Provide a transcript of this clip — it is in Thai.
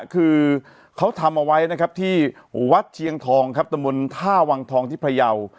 คือเขาทำเอาไว้นะครับที่วัดเชียงทองครับตะมนต์ท่าวังทองที่พยาว